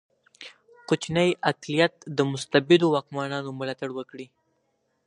کوچنی اقلیت د مستبدو واکمنانو ملاتړ وکړي.